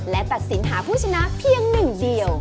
และตัดสินหาผู้ชนะเพียงหนึ่งเดียว